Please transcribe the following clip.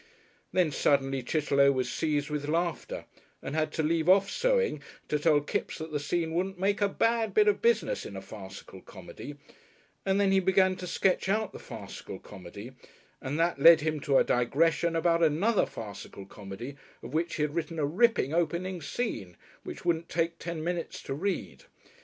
Then suddenly Chitterlow was seized with laughter and had to leave off sewing to tell Kipps that the scene wouldn't make a bad bit of business in a farcical comedy, and then he began to sketch out the farcical comedy and that led him to a digression about another farcical comedy of which he had written a ripping opening scene which wouldn't take ten minutes to read.